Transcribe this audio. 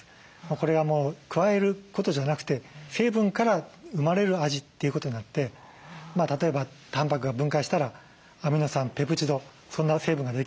これは加えることじゃなくて成分から生まれる味ということになって例えばたんぱくが分解したらアミノ酸ペプチドそんな成分ができる。